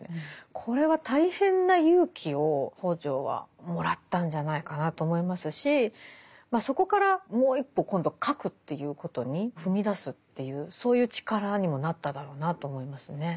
これは大変な勇気を北條はもらったんじゃないかなと思いますしそこからもう一歩今度書くということに踏み出すというそういう力にもなっただろうなと思いますね。